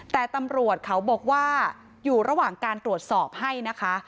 แต่ตำรวจเขาบอกว่าอยู่ระหว่างการตรวจสอบให้นะคะ